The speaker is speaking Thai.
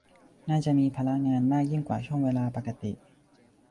น่าจะมีภาระงานมากยิ่งกว่าช่วงเวลาปกติ